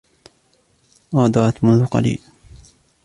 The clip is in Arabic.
غادرت منذ قليل.